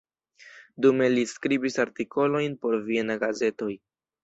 Dume li skribis artikolojn por viena gazetoj.